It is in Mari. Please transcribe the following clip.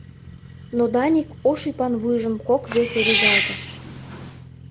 Но Даник ош ӱпан вуйжым кок веке рӱзалтыш: